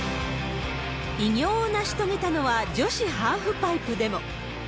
偉業を成し遂げたのは女子ハーフパイプでも。